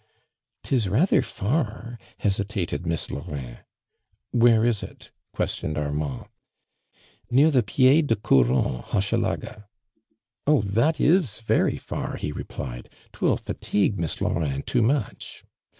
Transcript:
" 'Tis rather far," hesitated Miss Laurin. "Where is it?" questioned Armand. "Near the pied du courant, Ilochelaga." " Oh, that is very far 1" ho replied. " 'Twill fatigue Miss Laurin too much."